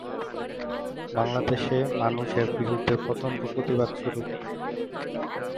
বাংলাদেশে মানুষ এর বিরুদ্ধে প্রচণ্ড প্রতিবাদ শুরু করে।